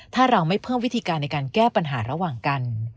ถ้าเราไม่เพิ่มวิธีการในการแก้ปัญหาระหว่างกัน